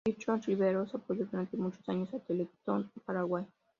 Bicho Riveros apoyó durante muchos años a Teletón Paraguay.